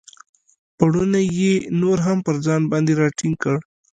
پوړنی یې نور هم پر ځان باندې را ټینګ کړ.